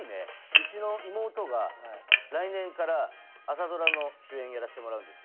うちの妹が来年から朝ドラの主演やらせてもらうんですよ。